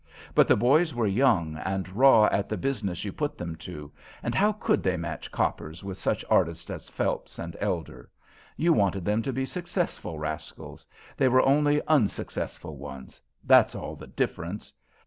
But the boys were young, and raw at the business you put them to, and how could they match coppers with such artists as Phelps and Elder? You wanted them to be successful rascals; they were only unsuccessful ones that's all the difference.